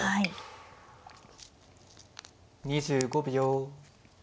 ２５秒。